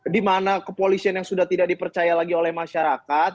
dimana kepolisian yang sudah tidak dipercaya lagi oleh masyarakat